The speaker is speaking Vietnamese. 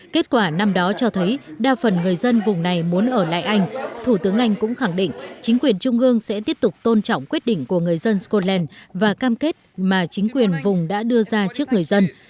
kết quả năm đó cho thấy đa phần người dân vùng này muốn ở lại anh thủ tướng anh cũng khẳng định chính quyền trung ương sẽ tiếp tục tôn trọng quyết định của người dân scotland và cam kết mà chính quyền vùng đã đưa ra trước người dân